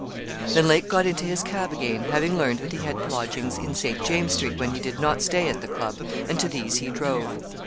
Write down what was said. Then Lake got into his cab again, having learned that he had lodgings in St. James's Street when he did not stay at the club, and to these he drove.